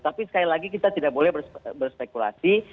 tapi sekali lagi kita tidak boleh berspekulasi